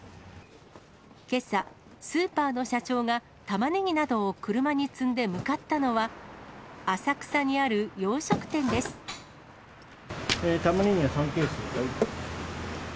けさ、スーパーの社長がタマネギなどを車に積んで向かったのは、浅草にタマネギが３ケース。